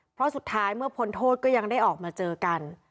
เพราะสุดท้ายเมื่อพ้นโทษก็ยังได้ออกมาเจอกัน